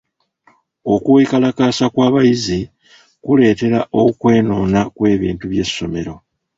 Okwekalakaasa kw'abayizi kuleetera okwenoona kw'ebintu by'essomero.